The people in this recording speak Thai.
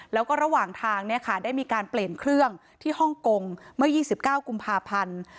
แล้วก็ระหว่างทางได้มีการเปลี่ยนเครื่องที่ฮ่องกงเมื่อ๒๙กุมภาพันธ์